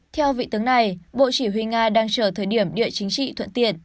theo vị tướng này bộ chỉ huy nga đang chờ thời điểm địa chính trị thuận tiện